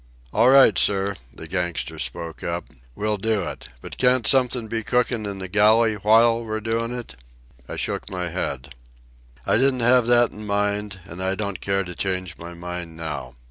"All right, sir," the gangster spoke up. "We'll do it ... but can't something be cookin' in the galley while we're doin' it?" I shook my head. "I didn't have that in mind, and I don't care to change my mind now.